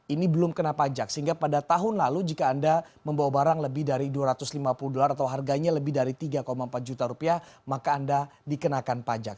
ini belum kena pajak sehingga pada tahun lalu jika anda membawa barang lebih dari dua ratus lima puluh dolar atau harganya lebih dari tiga empat juta rupiah maka anda dikenakan pajak